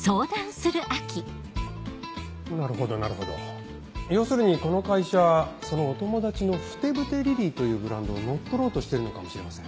なるほどなるほど要するにこの会社そのお友達の「ふてぶてリリイ」というブランドを乗っ取ろうとしてるのかもしれません。